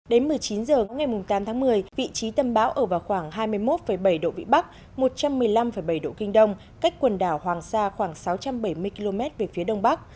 đến một mươi chín h ngày tám tháng một mươi vị trí tâm bão ở vào khoảng hai mươi một bảy độ vĩ bắc một trăm một mươi năm bảy độ kinh đông cách quần đảo hoàng sa khoảng sáu trăm bảy mươi km về phía đông bắc